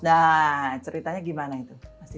nah ceritanya gimana itu